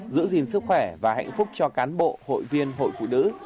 giữ gìn sức khỏe và hạnh phúc cho cán bộ hội viên hội phụ nữ